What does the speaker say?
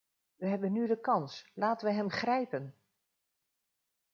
We hebben nu de kans, laten we hem grijpen!